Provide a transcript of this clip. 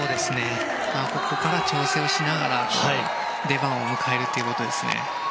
ここから調整をしながら出番を迎えるということですね。